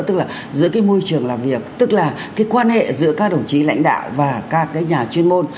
tức là giữa cái môi trường làm việc tức là cái quan hệ giữa các đồng chí lãnh đạo và các cái nhà chuyên môn